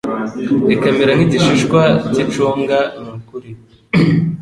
rikamera nk'igishishwa cy'icunga nukuri